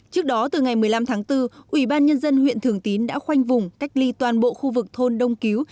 trước đó từ ngày một mươi năm tháng bốn ủy ban nhân dân huyện thường tín đã khoanh vùng cách ly toàn bộ khu vực thôn đông cứu